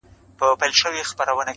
o دا گز، دا ميدان.